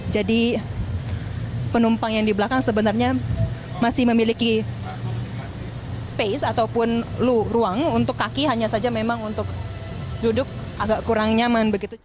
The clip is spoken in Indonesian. jadi penumpang yang di belakang sebenarnya masih memiliki space ataupun ruang untuk kaki hanya saja memang untuk duduk agak kurang nyaman